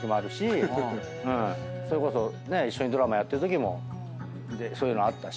それこそね一緒にドラマやってるときもそういうのあったし。